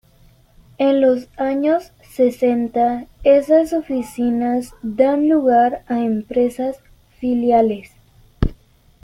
En los años sesenta, esas oficinas dan lugar a empresas filiales.